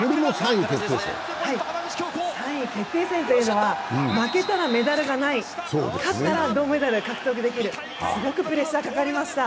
３位決定戦というのは、負けたらメダルがない、勝ったら銅メダルを獲得できる、すごくプレッシャーかかりました。